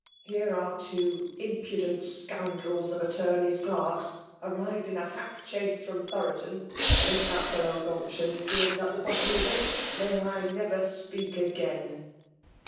Here are two im pudent Bcoimdrels of attorney's clerks arrived in a hack chaise from Thoroton ; and if that fellow Gumption be*n't at the bottom of it, may I never speak again